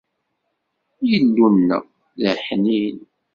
Illu-nneɣ, d aḥnin.